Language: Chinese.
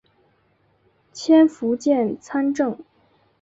迁福建参政。